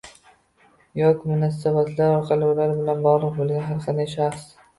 yoki munosabatlar orqali ular bilan bog‘liq bo‘lgan har qanday shaxs.